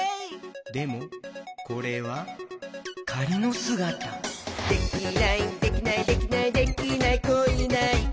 でもこれはかりのすがた「できないできないできないできない子いないか」